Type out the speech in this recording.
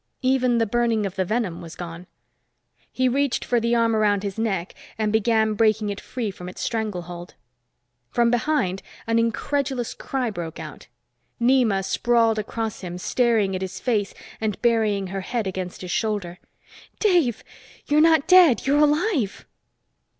Even the burning of the venom was gone. He reached for the arm around his neck and began breaking it free from its stranglehold. From behind an incredulous cry broke out. Nema sprawled across him, staring at his face and burying her head against his shoulder. "Dave! You're not dead! You're alive!"